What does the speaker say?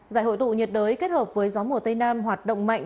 giải hội tụ nhiệt đới kết hợp với gió mùa tây nam hoạt động mạnh